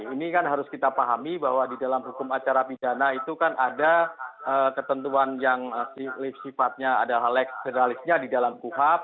ini kan harus kita pahami bahwa di dalam hukum acara pidana itu kan ada ketentuan yang sifatnya ada hal ekstralisnya di dalam kuhap